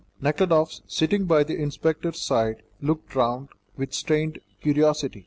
Nekhludoff, sitting by the inspector's side, looked round with strained curiosity.